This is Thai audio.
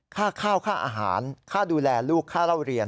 ค่าข้าวค่าอาหารค่าดูแลลูกค่าเล่าเรียน